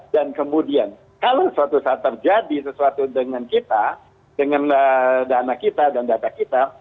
dan kemudian kalau suatu saat terjadi sesuatu dengan kita dengan dana kita dan data kita